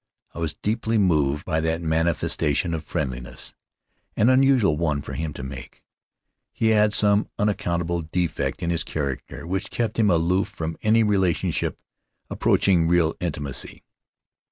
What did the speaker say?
I was deeply moved by that manifestation of friendliness, an unusual one for him to make. He had some unaccountable defect in his character which kept him aloof from any relationship approaching real intimacy.